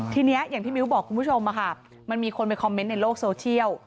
ทีนี้อย่างที่มิ้วบอกคุณผู้ชมมันมีคนไปคอมเมนต์ในโลกโซเชียล